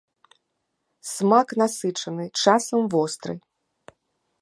Смак насычаны, часам востры.